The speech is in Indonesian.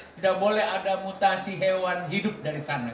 tidak boleh ada mutasi hewan hidup dari sana